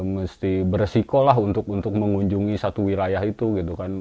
mesti beresiko lah untuk mengunjungi satu wilayah itu gitu kan